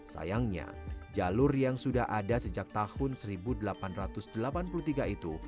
sayangnya jalur yang sudah ada sejak tahun seribu delapan ratus delapan puluh tiga itu